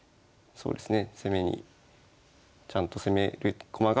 そうですね。